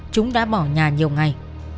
chúng đã bỏ nhà nhiều ngày